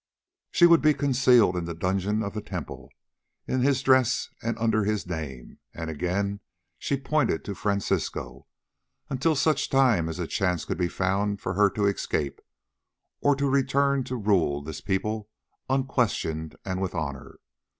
"She would be concealed in the dungeons of the temple, in his dress and under his name," and again she pointed to Francisco, "until such time as a chance could be found for her to escape, or to return to rule this people unquestioned and with honour.